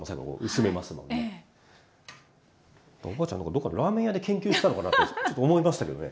どっかのラーメン屋で研究したのかなってちょっと思いましたけどね。